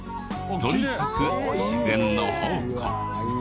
とにかく自然の宝庫。